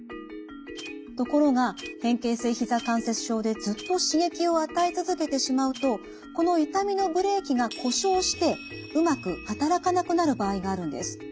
ところが変形性ひざ関節症でずっと刺激を与え続けてしまうとこの痛みのブレーキが故障してうまく働かなくなる場合があるんです。